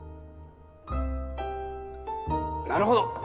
なるほど！